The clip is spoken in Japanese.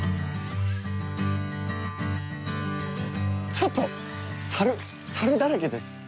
ちょっと猿猿だらけです。